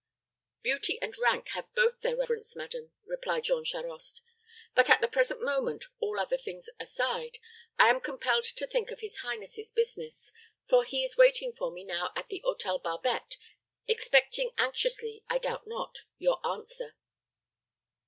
"Beauty and rank have both their reverence, madam," replied Jean Charost. "But at the present moment, all other things aside, I am compelled to think of his highness's business; for he is waiting for me now at the Hôtel Barbette, expecting anxiously, I doubt not, your answer."